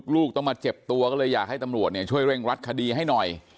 ลูกต้องมาเจ็บตัวก็เลยอยากให้ตำรวจช่วยเร่งรัดคดีให้หน่อย